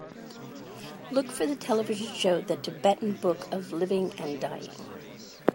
look for the television show The Tibetan Book of Living and Dying